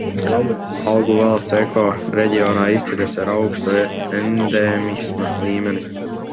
Augu valsts ekoreģionā izceļas ar augstu endēmisma līmeni.